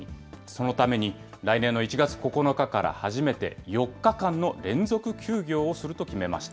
そのために、来年の１月９日から初めて４日間の連続休業をすると決めました。